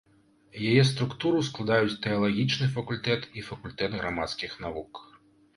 Яе структуру складаюць тэалагічны факультэт і факультэт грамадскіх навук.